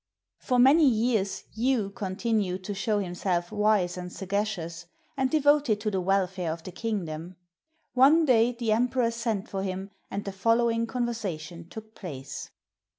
[For many years Yu continued to show himself wise and sagacious and devoted to the welfare of the kingdom. One day the emperor sent for him and the following conversation took place.